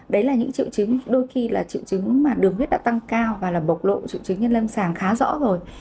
đấy là những triệu chứng đôi khi là triệu chứng mà đường huyết đã tăng cao và là bộc lộ triệu chứng nhân lâm sàng khá rõ rồi